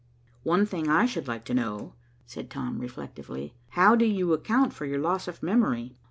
"One thing I should like to know," said Tom reflectively, "How do you account for your loss of memory?"